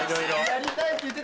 やりたいって言ってたもん。